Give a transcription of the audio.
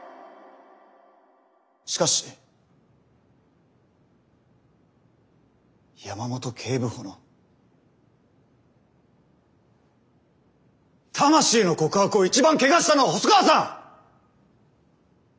しかし山本警部補の魂の告白を一番汚したのは細川さん！